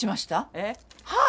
えっ？